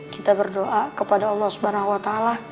kita berdoa kepada allah swt